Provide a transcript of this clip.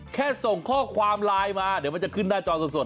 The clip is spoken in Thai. แค่ส่งข้อความไลน์มาเดี๋ยวมันจะขึ้นหน้าจอสด